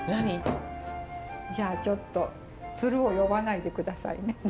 じゃあちょっと鶴を呼ばないでくださいね。